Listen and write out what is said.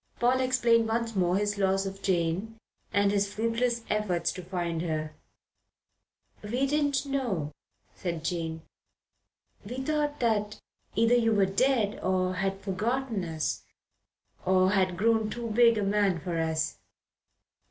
Paul explained once more his loss of Jane and his fruitless efforts to find her. "We didn't know," said Jane. "We thought that either you were dead or had forgotten us or had grown too big a man for us."